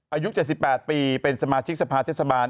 อายุ๗๘ปีเป็นสมาชิกสภาเทศบาล